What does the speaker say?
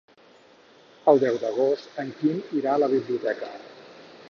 El deu d'agost en Quim irà a la biblioteca.